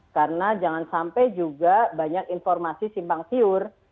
karena jangan sampai juga banyak informasi simpang siur